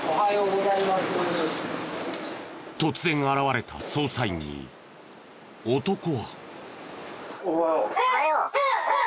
突然現れた捜査員に男は。